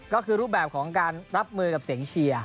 ก็คือรูปแบบของการรับมือกับเสียงเชียร์